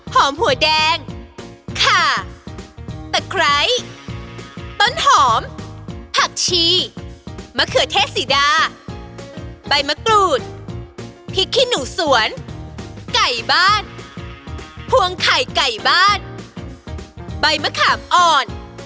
หัวแดงขาตะไคร้ต้นหอมผักชีมะเขือเทศสีดาใบมะกรูดพริกขี้หนูสวนไก่บ้านพวงไข่ไก่บ้านใบมะขามอ่อน